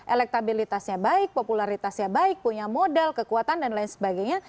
elektabilitasnya baik popularitasnya baik punya modal kekuatan dan lain sebagainya